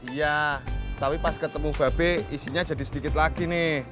iya tapi pas ketemu babe isinya jadi sedikit lagi nih